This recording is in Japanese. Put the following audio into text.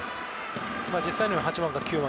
実際、８番か９番。